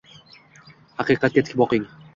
Haqiqatga tik boqing